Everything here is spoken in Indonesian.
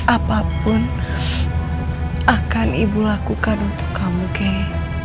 apapun akan ibu lakukan untuk kamu kay